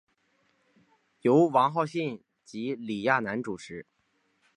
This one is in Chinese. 由王浩信及李亚男主持。